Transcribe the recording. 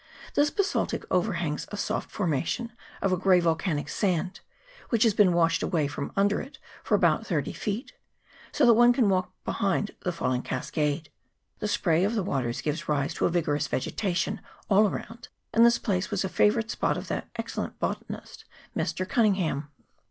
This basalt overhangs a soft forma tion of a grey volcanic sand, which has been washed away from under it for about thirty feet, so that one can walk behind the falling cascade. The spray of the waters gives rise to a vigorous vegetation all around, and this place was a favourite spot of that excellent botanist Mr. Cunningham.